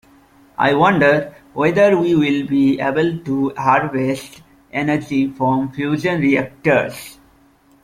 I wonder whether we will be able to harvest energy from fusion reactors.